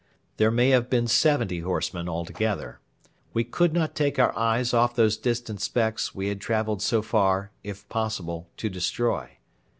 There may have been seventy horsemen altogether. We could not take our eyes off those distant specks we had travelled so far, if possible, to destroy.